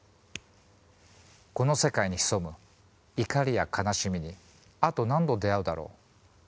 この世界に潜む怒りや悲しみにあと何度出会うだろう